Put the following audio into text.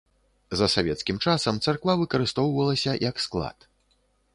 За савецкім часам царква выкарыстоўвалася як склад.